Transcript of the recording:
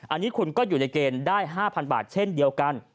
อันนี้คุณก็อยู่ในเกณฑ์ได้๕๐๐บาทเช่นเดียวกัน